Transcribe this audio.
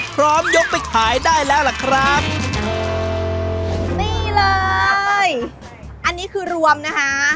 ยกไปขายได้แล้วล่ะครับนี่เลยอันนี้คือรวมนะคะ